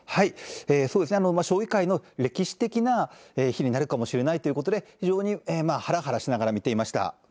将棋界の歴史的な日になるかもしれないということで、非常にはらはらしながら見ていました。